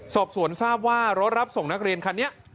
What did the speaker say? สอบสวนทราบว่ารถรับส่งนักเรียนคันนี้